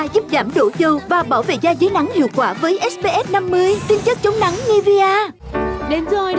quý vị và các bạn thân mến